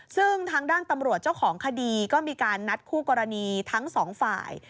ซึ่งทางด้านตำรวจเจ้าของคดีก็มีการนัดคู่กรณีทั้งสองฝ่าย